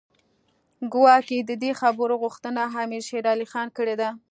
ګواکې د دې خبرو غوښتنه امیر شېر علي خان کړې ده.